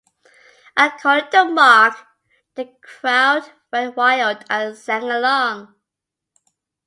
According to Mawg, The crowd went wild and sang along.